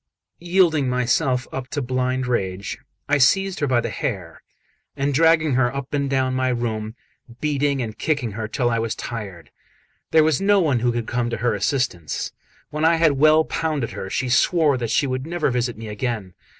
Yielding myself up to blind rage, I seized her by the hair, and dragged her up and down my room, beating and kicking her till I was tired. There was no one who could come to her assistance. When I had well pounded her she swore that she would never visit me again.